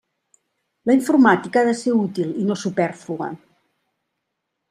La informàtica ha de ser útil i no supèrflua.